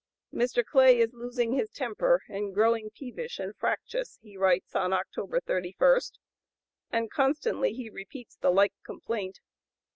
"Mr. Clay is losing his temper, and growing peevish and fractious," he writes on October 31; and constantly he repeats the like complaint.